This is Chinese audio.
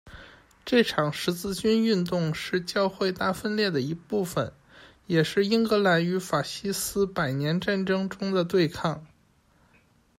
这场十字军运动是教会大分裂的一部份，也是英格兰与法兰西百年战争中的对抗。